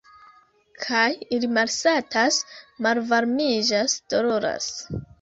Kaj ili malsatas, malvarmiĝas, doloras.